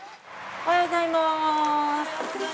おはようございます。